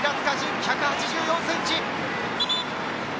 １８４ｃｍ。